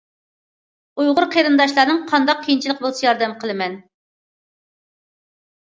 ئۇيغۇر قېرىنداشلارنىڭ قانداق قىيىنچىلىقى بولسا ياردەم قىلىمەن.